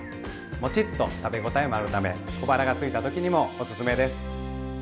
もちっと食べ応えもあるため小腹がすいた時にもおすすめです。